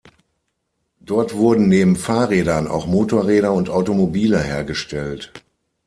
Dort wurden neben Fahrrädern auch Motorräder und Automobile hergestellt.